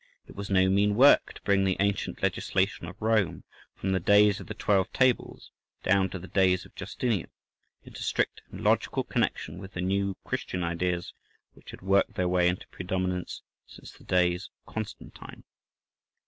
It was no mean work to bring the ancient legislation of Rome, from the days of the Twelve Tables down to the days of Justinian, into strict and logical connection with the new Christian ideas which had worked their way into predominance since the days of Constantine.